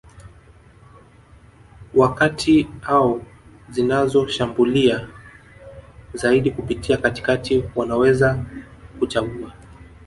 wa kati au zinazoshambulia zaidi kupitia katikati wanaweza kuchagua